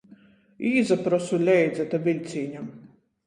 Īsaprosu leidza da viļcīņam.